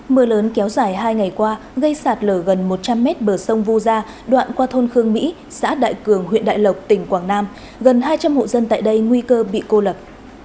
mưa lớn kéo dài hai ngày qua gây sạt lở gần một trăm linh m bờ sông vu gia đoạn qua thôn khương mỹ xã đại cường huyện đại lộc tỉnh quảng nam gần hai trăm linh hộ dân tại đây nguy cơ bị cô lập